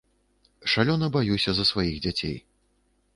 Шалёна баюся за сваіх дзяцей.